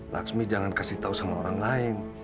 laksmi jangan kasih tahu sama orang lain